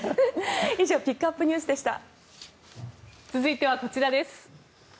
以上ピックアップＮＥＷＳでした。